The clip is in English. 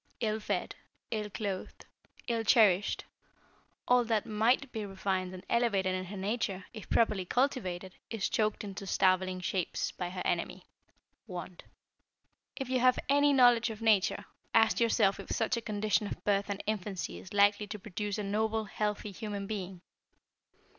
Ill fed, ill clothed, ill cherished, all that might be refined and elevated in her nature, if properly cultivated, is choked into starveling shapes by her enemy Want. "If you have any knowledge of nature, ask yourself if such a condition of birth and infancy is likely to produce a noble, healthy human being?